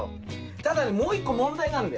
ただねもう一個問題があんだよ。